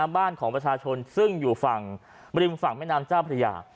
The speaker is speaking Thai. บ้านของประชาชนซึ่งอยู่ฝั่งริมฝั่งแม่น้ำเจ้าพระยา